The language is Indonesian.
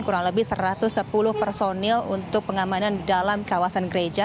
kurang lebih satu ratus sepuluh personil untuk pengamanan dalam kawasan gereja